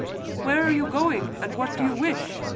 "Where are you going, and what do you wish?"